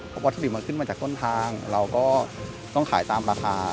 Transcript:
เพราะวัตถุดิบมันขึ้นมาจากต้นทางเราก็ต้องขายตามราคา